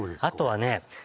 あとはね